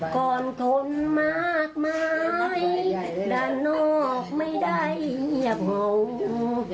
ก่อนคนมากมายด้านนอกไม่ได้หยับเห่า